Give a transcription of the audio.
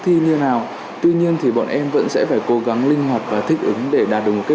thi như thế nào tuy nhiên thì bọn em vẫn sẽ phải cố gắng linh hoạt và thích ứng để đạt được kết